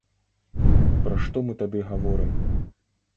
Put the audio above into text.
Пра што мы тады гаворым?